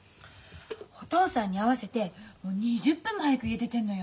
お父さんに合わせて２０分も早く家出てんのよ。